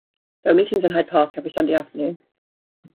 There were meetings in Hyde Park every Sunday afternoon.